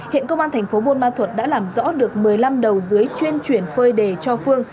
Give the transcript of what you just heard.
hiện công an thành phố buôn ma thuật đã làm rõ được một mươi năm đầu dưới chuyên chuyển phơi đề cho phương